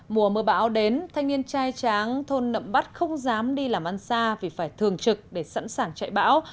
mùa mưa bão đến thanh niên trai tráng thôn nậm bắt không dám đi làm ăn xa vì phải thường trực để sẵn sàng chạy bão